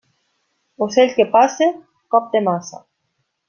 Ocell que passa, cop de maça.